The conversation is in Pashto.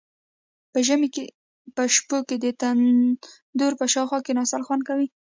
د ژمي په شپو کې د تندور په شاوخوا کیناستل خوند کوي.